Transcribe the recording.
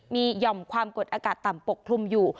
มีหย่อมความกดอากาศต่ำปกคลุมอยู่